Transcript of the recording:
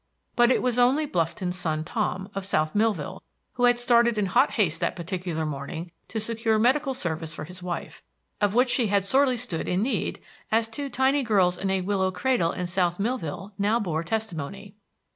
But it was only Blufton's son Tom, of South Millville, who had started in hot haste that particular morning to secure medical service for his wife, of which she had sorely stood in need, as two tiny girls in a willow cradle in South Millville now bore testimony.